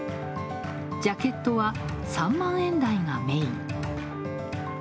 ジャケットは３万円台がメイン。